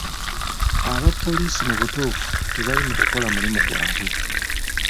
Abapoliisi mu butuufu tebali mu kukola mulimu gwabwe.